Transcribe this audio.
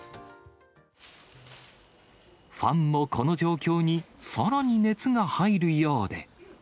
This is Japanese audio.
ファンもこの状況にさらに熱が入るようで。